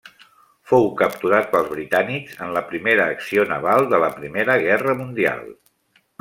Fou capturat pels britànics en la primera acció naval de la Primera Guerra Mundial.